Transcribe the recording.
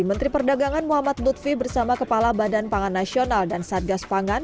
menteri perdagangan muhammad lutfi bersama kepala badan pangan nasional dan satgas pangan